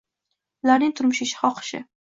Ularning turmushi, ishi, xohishi